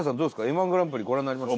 Ｍ−１グランプリご覧になりました？